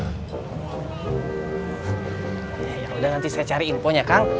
ya udah nanti saya cari info nya kang